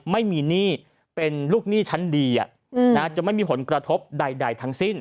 ไม่มีหนี้เป็นลูกหนี้ชั้นดีจะไม่มีผลกระทบใดทั้งสิ้น